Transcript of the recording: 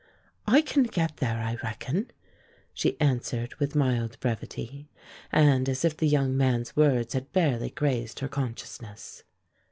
"I can get there, I reckon," she answered with mild brevity, and as if the young man's words had barely grazed her consciousness.